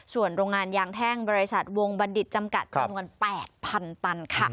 ส่วนโรงงานยางแท่งบริษัทวงบัณฑิตจำกัดจำนวน๘๐๐๐ตันค่ะ